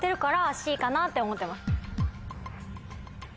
かなって思ってます。